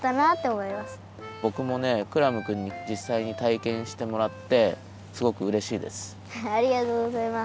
ぼくもねクラムくんにじっさいにたいけんしてもらってすごくうれしいです。